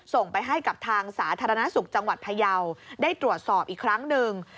ส่งไปให้กับทางสาธารณสุขจังหวัดพยาวได้ตรวจสอบอีกครั้งหนึ่ง